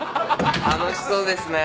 ・楽しそうですね。